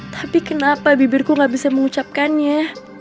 tapi kenapa bibirku gak bisa mengucapkannya